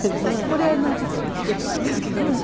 これちょっと秘けつなんですけど。